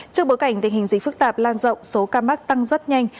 trước bối cảnh tình hình dịch phức tạp lan rộng số ca mắc tăng rất nhanh